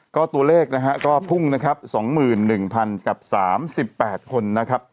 ก็ตัวเลขนะฮะก็พุ่งนะครับสองหมื่นหนึ่งพันกับสามสิบแปดคนนะครับ